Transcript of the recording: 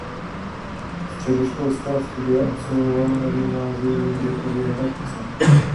Středoškolská studia absolvoval na gymnáziu v Jindřichově Hradci.